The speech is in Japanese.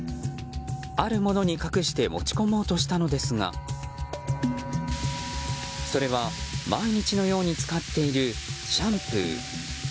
あるものに隠して持ち込もうとしたのですがそれは、毎日のように使っているシャンプー。